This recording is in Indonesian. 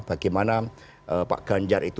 bagaimana pak ganjar itu